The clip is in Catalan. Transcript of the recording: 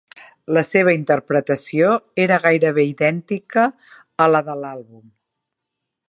La seva interpretació era gairebé idèntica a la de l'àlbum.